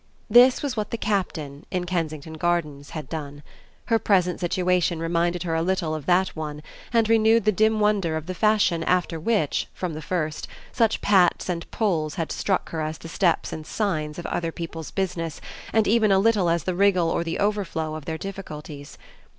This was what the Captain, in Kensington Gardens, had done; her present situation reminded her a little of that one and renewed the dim wonder of the fashion after which, from the first, such pats and pulls had struck her as the steps and signs of other people's business and even a little as the wriggle or the overflow of their difficulties.